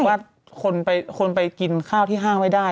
ว่าคนไปกินข้าวที่ห้างไม่ได้